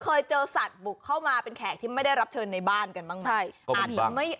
เคยเจอสัตว์บุกเข้ามาเป็นแขกที่ไม่ได้รับเชิญในบ้านกันบ้างไหม